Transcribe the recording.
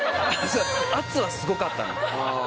圧はすごかったの。